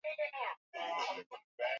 muziki iwaje uko huko tu ona nimemkuta